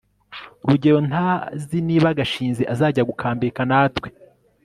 rugeyo ntazi niba gashinzi azajya gukambika natwe